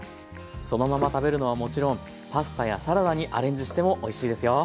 そのまま食べるのはもちろんパスタやサラダにアレンジしてもおいしいですよ。